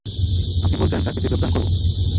আপনি বলছেন, চাকরিতে যোগদান করব।